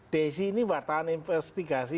desi ini wartawan investigasi